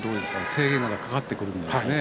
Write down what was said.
制限がかかってくるんですね。